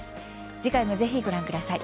次回もぜひご覧ください。